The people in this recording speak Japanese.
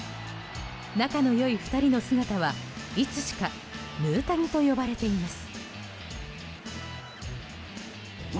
仲の良い２人の姿は、いつしかヌータニと呼ばれています。